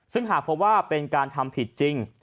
ซึ่งหากพบว่าเป็นการทำผิดจริง